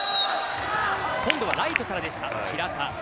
今度はライトからでした。